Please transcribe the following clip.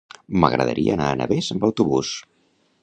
M'agradaria anar a Navès amb autobús.